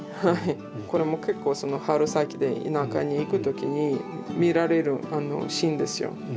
これも結構春先で田舎に行く時に見られるシーンですよ。